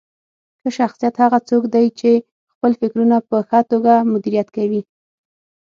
ښه شخصیت هغه څوک دی چې خپل فکرونه په ښه توګه مدیریت کوي.